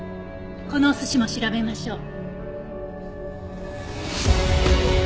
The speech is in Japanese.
このお寿司も調べましょう。